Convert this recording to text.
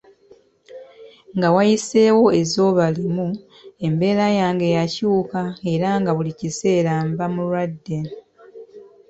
Nga wayiseewo ezzooba limu, embeera yange yakyuka era nga buli kiseera mba mulwadde.